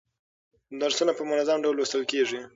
درسونه په منظم ډول لوستل کیږي.